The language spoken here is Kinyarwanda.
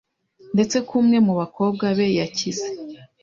ndetse ko umwe mu bakobwa be yakize